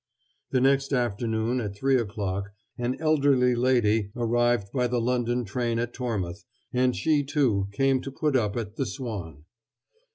The next afternoon at three o'clock an elderly lady arrived by the London train at Tormouth, and she, too, came to put up at the Swan.